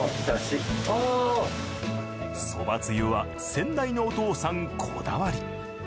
そばつゆは先代のお父さんこだわり。